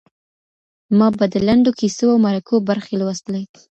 ما به د لنډو کیسو او مرکو برخې لوستلې.